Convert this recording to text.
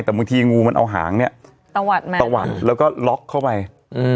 แต่บางทีงูมันเอาหางเนี้ยตะวัดมาตะวัดแล้วก็ล็อกเข้าไปอืม